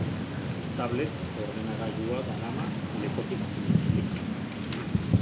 Tablet ordenagailua darama lepotik zintzilik.